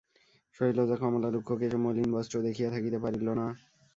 শৈলজা কমলার রুক্ষ কেশ ও মলিন বস্ত্র দেখিয়া থাকিতে পারিল না।